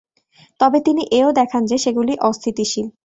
তবে তিনি এও দেখান যে সেগুলি অস্থিতিশীল।